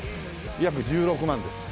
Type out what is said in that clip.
約１６万です。